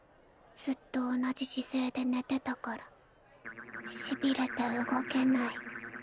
ずっと同じ姿勢で寝てたからしびれて動けない。